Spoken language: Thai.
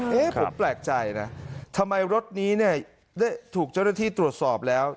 ผมแปลกใจทำไมรถนี้ถูกเจ้าหน้าที่ตรวจสอบแล้ว